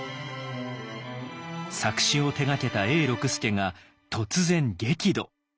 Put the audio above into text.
作詞を手がけた永六輔が突然激怒。